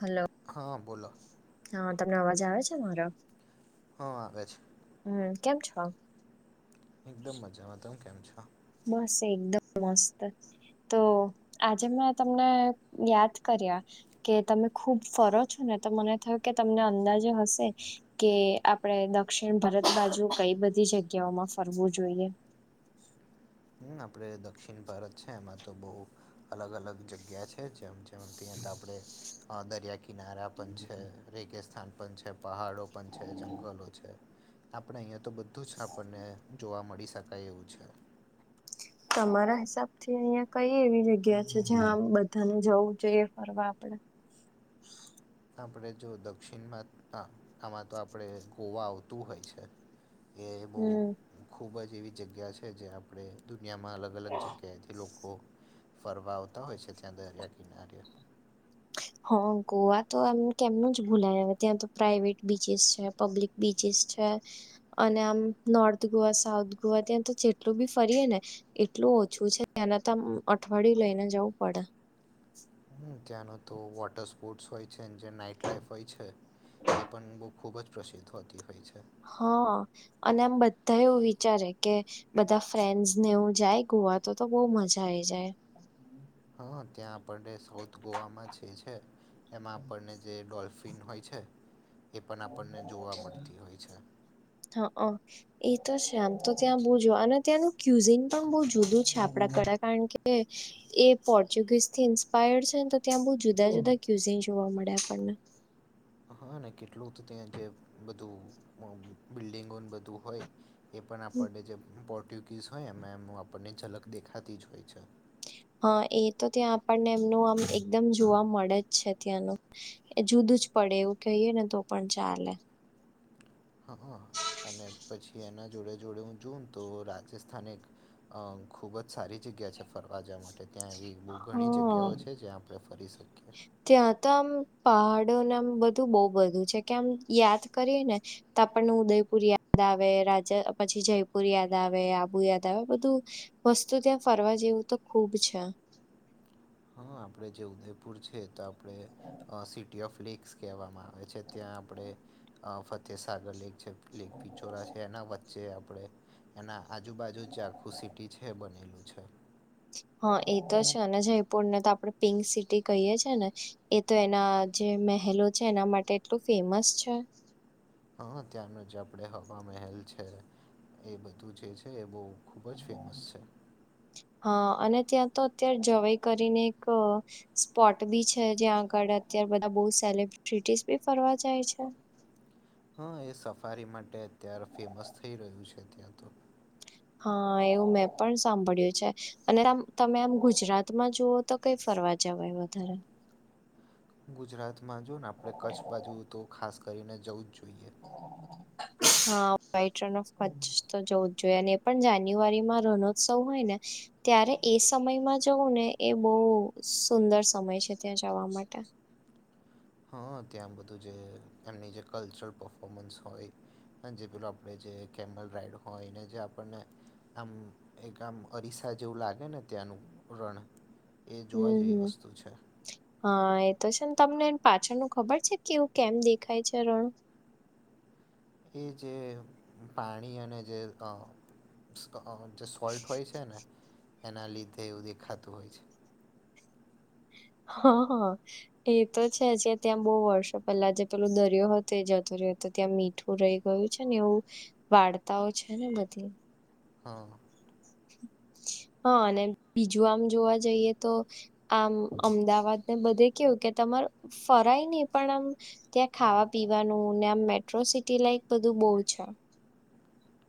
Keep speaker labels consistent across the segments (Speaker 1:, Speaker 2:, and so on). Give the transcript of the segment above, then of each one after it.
Speaker 1: Hello
Speaker 2: હા બોલો
Speaker 1: હા તમને અવાજ આવે છે મારો
Speaker 2: હા આવેે છે
Speaker 1: હમ કેમ છો
Speaker 2: એકદમ મજામાં તમે કેમ છો
Speaker 1: બસ એકદમ મસ્ત તો આજે મેં તમને યાદ કર્યા કે તમે ખુબ ફરો છો ને તો મને થયું કે તમને અંદાજે હશે કે આપડે દક્ષિણ ભારત બાજુ કઈ બધી જગ્યાઓમાં ફરવું જોઈએ
Speaker 2: આપડણે દક્ષિણ ભારત છે એમાં તો બહુ અલગ અલગ જગ્યા છે જેમ જેમ ત્યાં તો આપણે દરિયા કિનારા પણ છે રેગસ્થાન પણ છે પહાડો પણ છે જંગલો છે આપણે અહીિયાયા તો બધું બધું જ આપણને જોવા મળી શકાય એવું છે
Speaker 1: તમારા હિસાબ થી અહિયાં કઈ એવી જગ્યા છે જ્યાં આમ બધાને જવું જોઈએ ફરવા આપડે
Speaker 2: આપણે જો દક્ષિણમાં આમાં તો આપણે ગોવા આવતું હોય છે એેળમું
Speaker 1: હમ
Speaker 2: ખૂબ જ એવી જગ્યા છે જે આપણે દુનિયામાં અલગ અલગ જગ્યાએથી લોકો ફરવા આવતા હોય છે ત્યાં દરિયા કિનારે
Speaker 1: હા ગોવા તો એમ કેમનું જ ભૂલાય હવે ત્યાં તો પ્રાાઈવેટ બીચસ છે પબ્લિક બીચિસ છે અને આમ નોર્થ ગોવા સાઉથ ગોવા ત્યાં તો જેટલું બી ફરીએે ને એટલું ઓછું છે એને તો અઠવાડિયું લઈને જવું પડે
Speaker 2: હમ ત્યાંનો તો વોટર સ્પોર્ટ્સ હોય છે જે નાઈટ લાઈફ હોય છે એ પણ બહુ ખૂબ જ પ્રસિદ્ધ હોતી હોય છે
Speaker 1: હા અને આમ બધા એવું વિચારે કે બધા ફ્રેન્ડસ ને હું જાય ગોવા તો તો બહ મજા આઈ જાય
Speaker 2: હા ત્યાં આપણને સાઉથ ગોવામાં છે છે એમાં આપણને જે ડોલ્ફ પિન હોય છે એ પણ આપણને જોવા મળતી હોય છે
Speaker 1: હા હ એ તો શમ તો ત્યાં બહુ જોવા અને ત્યાંનું ક્યુઝિન પણ બહુ જુદું છે આપડા કળ કારણ કે એ પોર્ચુગીઝ થી ઇન્સ્પાયર્ડ છે ને તો ત્યાં બહુ જુદા જુદા ક્યુઝિન જોવા મળે આપણને
Speaker 2: હા ને કેટલું તો ત્યાં જે બધું બિલ્ડિંગોને બધું હોય એ પણ આપણને જે પોર્ટ્યુગીઝ હોય એમાં એમ આપણને ઝલક દેખાતી જ હોય છે
Speaker 1: હા એ તો ત્યાં આપણને એમનું આમ એકદમ જોવા મળે જ છે ત્યાંનું એ જુદું જ પડે એવું કહીએ ને તો પણ ચાલે
Speaker 2: હ હ અને પછી એના જોડે જોડે હું જુમતો રાજસ્થાન એક અ ખુબ જ સારી જગ્યા છે, ફરવા જાવા માટે ત્યાં એવી બો ઘણી
Speaker 1: હા.
Speaker 2: જગ્યાઓ છે, જ્યાં આપણે ફરી શક
Speaker 1: ત્યાં તો આમ પહાડો ના બધું બો બધું છે, કે આમ યાદ કરીએ ને ત આપણને ઉદયપુર યાદ આવે રાજા પછી જયપુર યાદ આવે આબુ યાદ આવે બધું વસ્તુ ત્યાં ફરવા જેવું તો ખુબ છે.
Speaker 2: હા આપડે જે ઉદયપુર છે, તો આપણે સિટી ઓફ લેક્સ કહેવામાં આ વે છે, ત્યાં આપણે અ ફતેસાગર લેક છે, લેક પિચોરા છે, એના વ ચે આપણે એના આજુબાજુ જે આખું સિટી છે, બનેલું છે.
Speaker 1: હ એ તો છે, અને જયપુર ને તો આપણે પિંક સિટી કહીય છે, ને એ તો એના જે મહેલો છે, એના માટે એટલું ફેમસ છે.
Speaker 2: હ તયાંનો જ આપણે હવા મહેલ છે, એ બધું જે છે, એ બો ખૂબ જ ફેમસ છે.
Speaker 1: હ અને ત્યાં તો અત્યારે જવાઈ કરીને એક સ્પોટ બી છે, જ્યાં આગળ અત્યારે બધા બો સેલિબ્રિટીસ બી ફરવા જાય છે.
Speaker 2: હ એ સફારી માટે અત્યારે ફેમસ થઈ રહ્યું છે, ત્યાં તો
Speaker 1: હ એવું મેં પણ સાંભળ્યું છે, અને આમ તમે આમ ગુજરાતમાં જુઓ તો કઈ ફરવા જવાય વધારે
Speaker 2: ગુજરાતમાં જો ને આપણે કચ્છ બાજુ તો ખાસ કરીને જવું જ જોઈએ
Speaker 1: હ વ્હાઈટ રન ઓફ કચ તો જવું જ જોઈએ ને એ પણ જાન્યુઆરીમાં રણોત્સવ હોય ને ત્યારે એ સમયમાં જવું ને એ બો સુંદર સમય છે, ત્યાં જવા માટે
Speaker 2: હ ત્યાં બધું જે એમની જે કલ્ચરલ પફોર્મન્સ હોય હાજી પેલો આપણે જે કેમલ રાઈડ હોય એને જે આપણને આમ એક આમ અરીસા જેવું લાગે ને ત્યાંનું રણ એ
Speaker 1: હમ
Speaker 2: જોવા જેવી
Speaker 1: હમ.
Speaker 2: વસ્તુ છે
Speaker 1: હા એ તો છે, ને તમને પાછળનું ખબર છે, કેવું કેમ દેખાય છે, રણ
Speaker 2: એ જે પાણી અને જે અ જે સોલ્ટ હોય છે, ને એના લીધે એવું દેખાતું હોય છે.
Speaker 1: હ હ. એ તો છે, જે ત્યાં બો વર્ષો પહેલા જે પેલું દરિયો હતો એ જતો રહ્યો હતો ત્યાં મી ઠું રહી ગયું છે, ને એવું વાર્તાઓ છે, ને બધી
Speaker 2: હ.
Speaker 1: હ અને બીજું આમ જોવા જઈએ તો આમ અમદાવાદ ને બધે કેવું કે તમાર ફરાય ની પણ આમ ત્યાં ખાવા પીવાનુંને આમ મેટ્રો સિટી લાઈક બધું બો છે.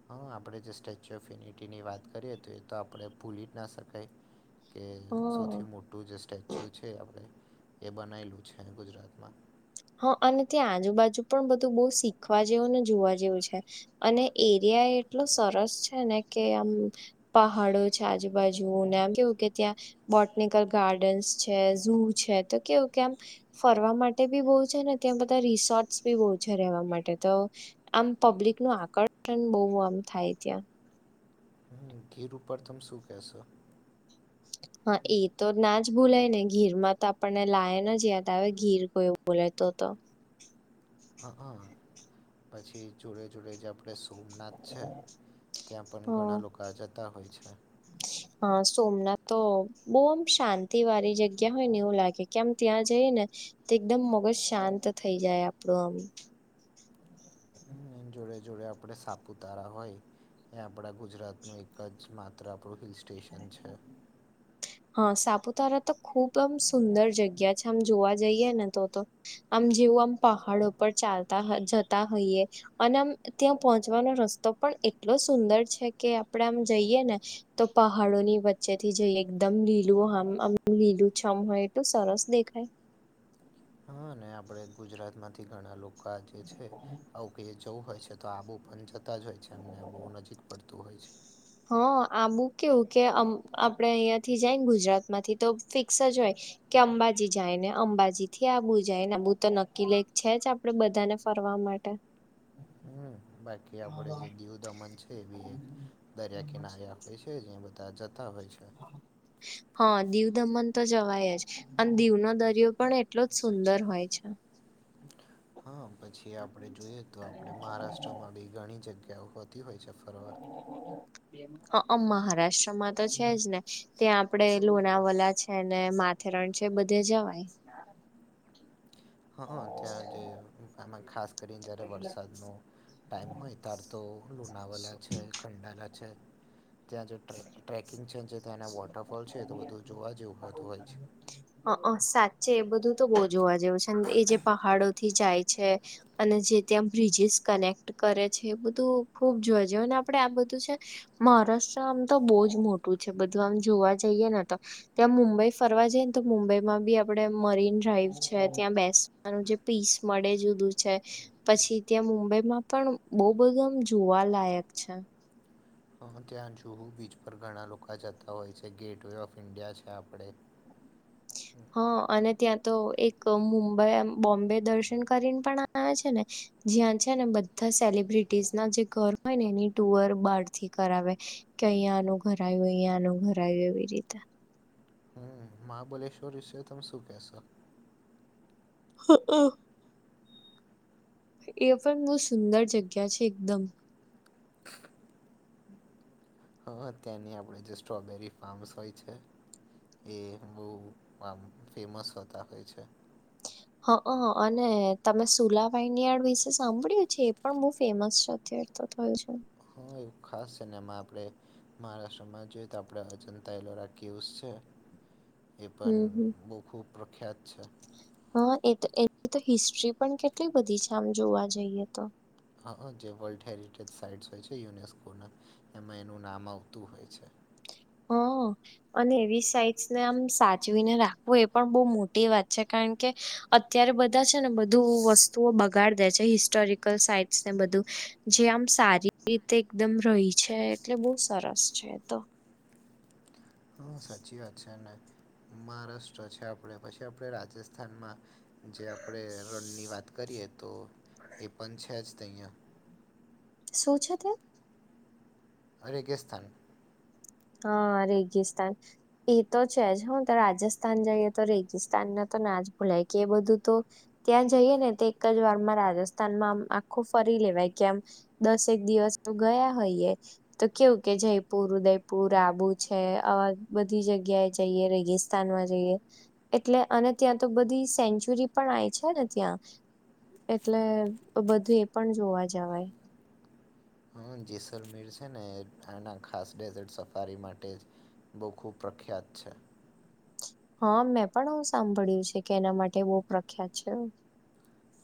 Speaker 2: હા આપણે જે સ્ટેચ્યુ ઓફ યુનિટીની વાત કરીએ તો એ તો આપણે ભૂલી જ ના શકાય. કે
Speaker 1: હમ
Speaker 2: સૌથી મોટું જે સ્ટેચ્યુ છે, આપણેે એ બનાયલું છે, ગુજરાતમાં
Speaker 1: હ અને ત્યાં આજુબાજુ પણ બધું બો શીખવા જેવું ને જોવા જેવું છે. અને એરિયા એટલો સરસ છે, ને કે આમ પહાડો છે, આજુબાજુને એમ કેવું કે ત્યાં બોટનિકલ ગાર્ડન્સ છે, ઝુ છે, તો કેવું કે આમ ફરવા માટે બી બો છે, ને ત્યાં બધા રિસોર્ટ બી બો છે, રહેવા માટે તો આમ પબ્લિકનું આકર્ષણ બો આમ થાય ત્યા
Speaker 2: હમ ગીર ઉપર તમે શું કેશો? હ [unintelligible]
Speaker 1: હા એ તો ના જ ભૂલાય ને ગીરમાં તો આપણને લાયન જ યાદ આવે ગીર કોઈ બોલે તો તો
Speaker 2: હા હા પછી જોડે જોડે [unintelligible] આપણે સોમનાથ છે, ત્યાં પણ
Speaker 1: હ
Speaker 2: ઘણા લોકો જતા હોય છે..
Speaker 1: હા સોમનાથ તો બો આમ શાંતિ વાળી જગ્યા હોય ને એવું લાગે કે આમ ત્યાં જએ ને તે એકદમ મગજ શાંત થઇ જાય આપડું આમ
Speaker 2: હમ્મ એને જોડે જોડે આપડે સાપુતારા હોય એ આપણા ગુજરાતનું એક જ માત્ર આપણું હિલ સ્ટેશન છે.
Speaker 1: હા, સાપુતારા તો ખુબ આમ સુંદર જગ્યા છે આમ જોવા જઈએ ને તો તો આમ જેવું આમ પહાડો પર ચાલતા હ જતા હોઈએ. અને આમ ત્યાં પહોંચવાનો રસ્તો પણ એટલો સુંદર છે કે આપડે આમ જઈએ ને તો પહાડો ની વચ્ચે થી જઈએ. એકદમ લીલું હામ આમ લીલું છમ હોય એ તો સરસ દેખાય.
Speaker 2: હા અને આપડે ગુજરાત માંથી ઘણા લોકો જે છે આવું કે છે તો હોય છે તો આવુ પણ જતા જ હોય છે અમને બહુ નજીક પડતું હોય છે.
Speaker 1: હ આબું કેવું કેમ આપડે અહીંયાથી જાય ને ગુજરાત માંથી તો ફિક્સ જ હોય કે અંબાજી જાય ને અંબાજી થી આબુ જાય ને આ બુ તો નક્કી લેક છે જ આપડે બધાને ફરવા માટે.
Speaker 2: હમ્મ, બાકી આપડે જે દીવ દમન છે એ બી એક દરિયા કિનારે આપે છે તે જે બતા જતા હોય છે.
Speaker 1: [inaudible] હા, દીવ દમન તો જવાય જ અને દીવનો દરિયો પણ એટલો જ સુંદર હોય છે.
Speaker 2: હા, પછી આપડે જોઈએ તો આપણે મહારાષ્ટ્રમાં બી ઘણી જગ્યાઓ હોત તી હોય છે ફરવા.
Speaker 1: હ અહ મહારાષ્ટ્રમાં તો છે જ ને ત્યાં આપડે લોનાવાલા છે ને મા છે રણ છે બધે જવાય.
Speaker 2: હા હ ત્યાં જે આમાં ખાસ કરીને જ્યારે વરસાદનો ટાઈમ હોય તાર તો લુનાવેલા છે, ખંડાયેલા છે ત્યાં જે ટ્રે ટ્રેકિંગ છે જે ત્યાંના વોટરફોલ છે તો બધું જોવા જેવું હોતું હોય છે.
Speaker 1: હ અહ સાચે એ બધું તો બહુ જોવા જેવું છે એ જે પહાડોથી જાય છે અને જે ત્યાં બ્રિજીસ કનેક્ટ કરે છે એ બધું ખુબ જોઈજ અને આપડે આ બધું છે મહારાષ્ટ્ર આમ તો બહુજ મોટું છે બધું આમ જોવા જઈએ ને તો ત્યાં મુંબઈ ફરવા જઈ ને તો મુંબઈ માં બી આપડે મરીન ડ્રાઈવ છે ત્યાં બેસ નું જે પીસ મળે જુદું છે. પછી ત્યાં મુંબઈમાં પણ બહુ બધા આમ જોવા લાયક છે.
Speaker 2: તો હું ત્યાં જુહુ બીચ પર ઘણા લોકો જતા હોય છે ગેટવેે ઓફ ઈન્ડિયા છે આપડે
Speaker 1: હા, અને ત્યાં તો એક મુંબઈ બોમ્બે દર્શન કરીને પણ આમ આ છે ને જ્યાં છે ને બધા સેલિબ્રિટીસ ના જે ઘર હોય ને એની ટુઅર બાર થી કરાવે કે અહીંયાનું ઘર આવ્યું અહીયાનું ઘર આવ્યું એવી રીતે.
Speaker 2: હમ્મ, મહાબલેશ્વર વિશે તમે શું કેશો?
Speaker 1: હ અહ. એ પણ બહુ સુંદર જગ્યા છે એકદમ.
Speaker 2: હા અહ ત્યાંની આપડે જે સ્ટ્રોબેરી ફાર્મ્સ હોય છે એ બહુ આમ ફેમસ હોતા હોય છે.
Speaker 1: હા અહ અને તમે સુલા વાઇન યાર્ડ વિશે સાંભળ્યું છે એ પણ બહુ ફેમસ છે અત્યાર તો થોયો છે.
Speaker 2: હ એક ખાસ સેને એમાં આપડે મહારાષ્ટ્રમાં જોઈએ તો આપડે અજંતા એલોરા કેવસ છે. એ પણ
Speaker 1: હમ હમ
Speaker 2: બહુ ખૂબ પ્રખ્યાત છે.
Speaker 1: હા એ તો એ તો હિસ્ટ્રી પણ કેટલી બધી છે આમ જોવા જઈએ તો.
Speaker 2: હા અહ જે વર્લ્ડ હેરિટેજ સાઈટ્સ હોય છે યુનેસ્કોના એમાં એનું નામ આવતું હોય છે.
Speaker 1: હા અ. અને એવી સાઇટ્સ ને આમ સાચવીને રાખવું એ પણ બહ મોટી વાત છે કારણ કે અત્યારે બધા છે ને બધું વસ્તુઓ બગાડ દે છે હિસ્ટોરિકલ સાઈટ્સ ને બધું. જે આમ સારી રીતે એકદમ રહી છે એટલે બહુ સરસ છે તો.
Speaker 2: સાચી વાત છે ને મહારાષ્ટ્ર છે આપણે પછી આપણે રાજસ્થાનમાં. જે આપણે રણની વાત કરીએ તો એ પણ છે જ તહીંયા.
Speaker 1: સુ છે ત્યાં.
Speaker 2: રેગિસ્તાન.
Speaker 1: હા રેગિસ્તાન. એ તો છે જ હ તો રાજસ્થાન જઈએ તો રેગિસ્તાન ના તો ના જ ભૂલાય કે એ બધું તો. ત્યાં જઈએ ને તે એકજ વારમાં રાજસ્થાનમાં આમ આખું ફરી લેવાય કે આમ. દસેક દિવસ તો ગયા હોયએ તો કેવું કે જયપુર ઉદયપૂ. પુર આબુ છે આવા બધી જગ્યાએ જઈએ રેગિસ્તાનમાં જઈએ. એટલે અને ત્યાં તો બધી સેન્ચુરી પણ આય છે ને ત્યાં. એટલે બધું એ પણ જોવા જવાય.
Speaker 2: હ જેસલમીર છે ને આના ખાસ ડેઝર્ટ સફારી માટે. બહુ ખૂબ પ્રખ્યાત છે.
Speaker 1: હા મેં પણ આવું સાંભળ્યું છે કે એના માટે બહુ પ્રખ્યાત છે.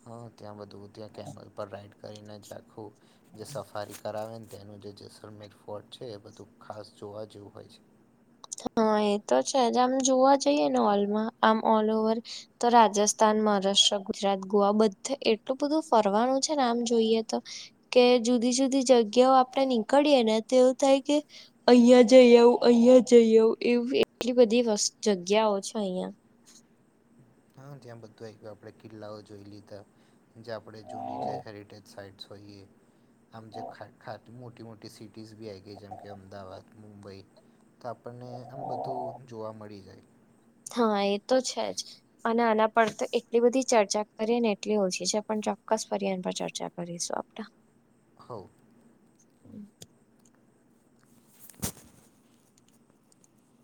Speaker 2: હા ત્યાં બધું ત્યાં કેમલ પર રાઈડ કરીને ચખું જે સફારી કરાવે ને. તેનું જે જસલમેર ફોર્ટ છે એ બધું ખાસ જોવા જેવું હોય છે.
Speaker 1: હા એ તો છે જ આમ જોવા જઈએ ને ઓલમાં આમ ઓલ ઓવર. તો રાજસ્થાન મહારાષ્ટ્ર ગુજરાત ગોવા બધે એટલું બધું ફરવાનું છે આમ જોઈએ તો. કે જુદી જુદી જગ્યાઓ આપડે નીકળીએે ને તો એવું થાય કે. અહિયાં જઈ આવઉ અહિયાં જઈ આવઉ એવી એટલી બધી જગ્યાઓ છે અહિયાં.
Speaker 2: હા ત્યાં બધું એક આપણે કિલ્લાઓ જોઈ લીધા. જે આપણે જૂની જે હેરિટેજ સાઇટ્સ હોઈએ. આમ જે ખા ખા મોટી મોટી સિટીઝ બી આઇ ગઈ જેમ કે અમદાવાદ મુંબઈ. તો આપણને આમ બધું જોવા મળી જાય.
Speaker 1: હા એ તો છે જ. અને આના પર તો એટલી બધી ચર્ચા કરીએ ને એટલી ઓછી છે પણ ચોક્કસ ફરી એ પર ચર્ચા કરીશું આપડે.
Speaker 2: હવ.
Speaker 1: [inaudible]